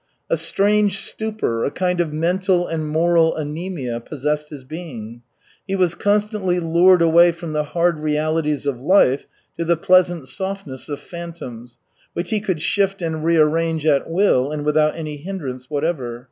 A strange stupor, a kind of mental and moral anæmia possessed his being. He was constantly lured away from the hard realities of life to the pleasant softness of phantoms, which he could shift and rearrange at will and without any hindrance whatever.